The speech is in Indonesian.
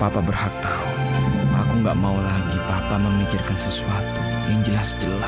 kamu kalau ketahuan gimana disini aida